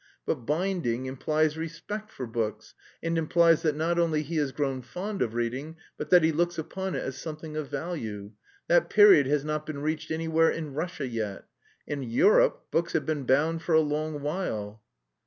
But binding implies respect for books, and implies that not only he has grown fond of reading, but that he looks upon it as something of value. That period has not been reached anywhere in Russia yet. In Europe books have been bound for a long while."